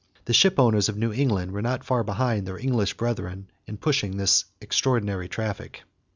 The ship owners of New England were not far behind their English brethren in pushing this extraordinary traffic.